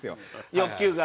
欲求が？